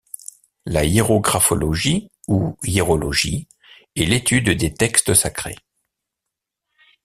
La hiérographologie ou hiérologie est l'étude des textes sacrés.